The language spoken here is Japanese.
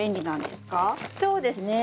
そうですね。